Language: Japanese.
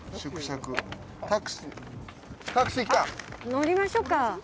乗りましょうか。